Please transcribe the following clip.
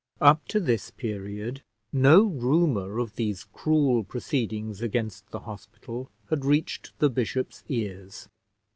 Up to this period no rumour of these cruel proceedings against the hospital had reached the bishop's ears.